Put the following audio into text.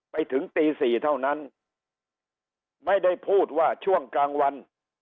ไปถึงตี๔เท่านั้นไม่ได้พูดว่าช่วงกลางวัน